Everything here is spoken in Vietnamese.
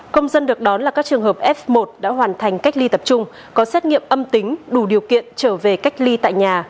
công dân được đón là các trường hợp f một đã hoàn thành cách ly tập trung có xét nghiệm âm tính đủ điều kiện trở về cách ly tại nhà